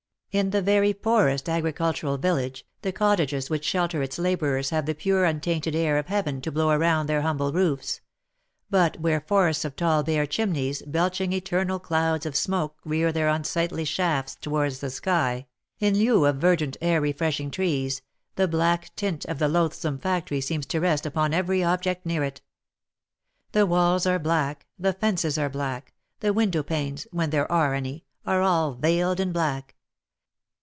In the very poorest agricul tural village, the cottages which shelter its labourers have the pure untainted air of heaven to blow around their humble roofs ; but where forests of tall bare chimneys, belching eternal clouds of smoke rear their unsightly shafts towards the sky, in lieu of verdant air refreshing OF MICHAEL ARMSTRONG. 145 trees, the black tint of the loathsome factory seems to rest upon every object near it. The walls are black, the fences are black, the win dow panes (when there are any) are all veiled in black.